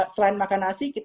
selain makan nasi